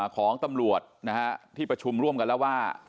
ของตำรวจที่ประชุมร่วมกันแล้วว่า